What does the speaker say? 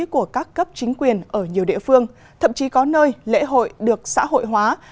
của các cấp chính quyền ở nhiều địa phương thậm chí có nơi lễ hội được xã hội hóa